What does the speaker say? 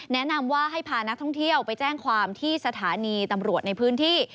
แนะนำว่าให้พานักท่องเที่ยวไปแจ้งความที่สถานีตำรวจในพื้นที่